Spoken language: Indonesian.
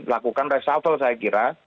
lakukan reshuffle saya kira